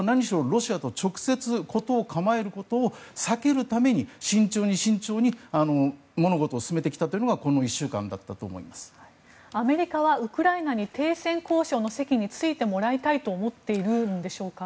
ロシアと事を構えることを避けるために慎重に慎重に物事を進めてきたというのがアメリカはウクライナに停戦交渉の席に着いてもらいたいと思っているんでしょうか。